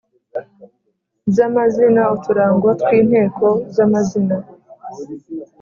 za mazina. Uturango twi nteko za mazina